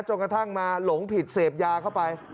จนกระทั่งมาหลงผิดเสพยาเข้าไป